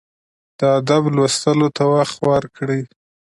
د ادب لوستلو ته وخت ورکړئ.